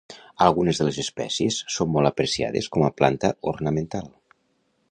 Algunes de les espècies són molt apreciades com a planta ornamental.